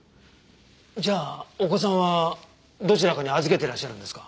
じゃあお子さんはどちらかに預けてらっしゃるんですか？